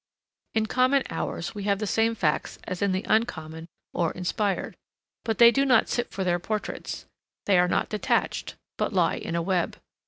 In common hours we have the same facts as in the uncommon or inspired, but they do not sit for their portraits; they are not detached, but lie in a web.